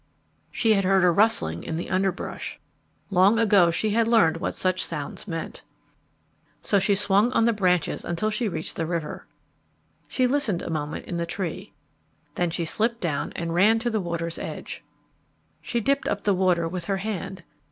She had heard a rustling in the underbrush. Long ago she had learned what such sounds meant. So she swung on the branches until she reached the river. She listened a moment in the tree. Then she slipped down and ran to the water's edge. She dipped up the water with her hand.